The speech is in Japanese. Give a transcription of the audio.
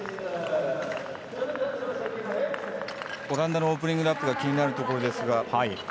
オランダのオープニングラップが気になるところです。